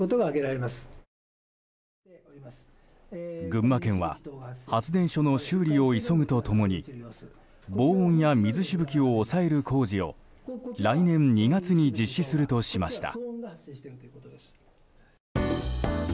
群馬県は発電所の修理を急ぐと共に防音や水しぶきを抑える工事を来年２月に実施するとしました。